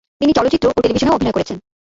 তিনি চলচ্চিত্র ও টেলিভিশনেও অভিনয় করেছেন।